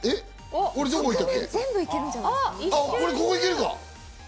あっ、ここいけるか。